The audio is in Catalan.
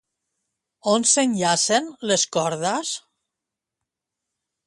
On s'enllacen les cordes?